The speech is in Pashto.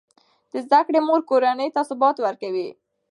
د زده کړې مور کورنۍ ته ثبات ورکوي.